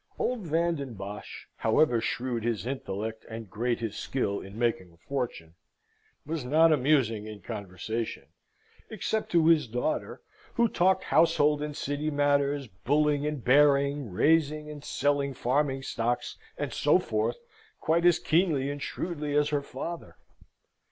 Old Van den Bosch, however shrewd his intellect, and great his skill in making a fortune, was not amusing in conversation, except to his daughter, who talked household and City matters, bulling and bearing, raising and selling farming stock, and so forth, quite as keenly and shrewdly as her father.